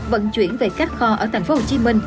vận chuyển về các kho ở tp hcm